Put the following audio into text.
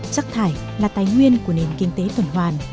rắc thải là tái nguyên của nền kinh tế tuần hoàn